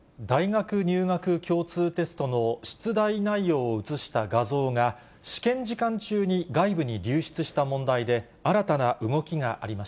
大学入学共通テストの出題内容を写した画像が試験時間中に外部に流出した問題で、新たな動き